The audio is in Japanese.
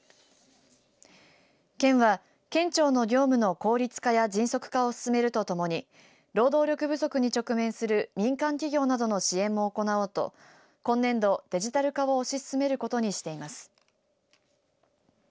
県は県庁の業務の効率化や迅速化を進めるとともに労働力不足に直面する民間企業などの支援も行おうと今年度、デジタル化を推し進めることにしています。